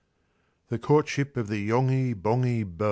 ] THE COURTSHIP OF THE YONGHY BONGHY BÒ.